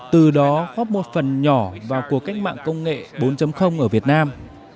từ đó góp một phần nhỏ vào cuộc cách mạng công nghệ bốn ở việt nam